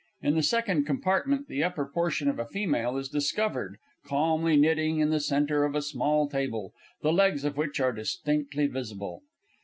In the second compartment the upper portion of a female is discovered, calmly knitting in the centre of a small table, the legs of which are distinctly visible.